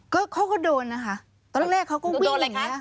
ก็เขาก็โดนนะคะตอนแรกเขาก็วิ่งอย่างนี้